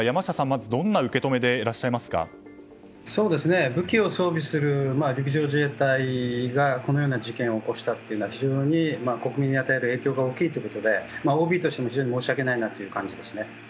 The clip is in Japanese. まずどんな受け止めで武器を装備する陸上自衛隊が、このような事件を起こしたというのは非常に国民に与える影響が大きいということでＯＢとしても非常に申し訳ないなという感じですね。